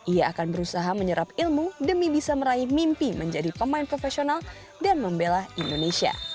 ia akan berusaha menyerap ilmu demi bisa meraih mimpi menjadi pemain profesional dan membela indonesia